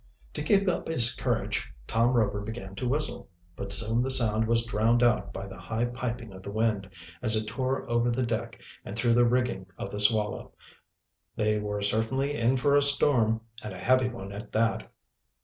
To keep up his courage Tom Rover began to whistle, but soon the sound was drowned out by the high piping of the wind, as it tore over the deck and through the rigging of the Swallow. They were certainly in for a storm, and a heavy one at that.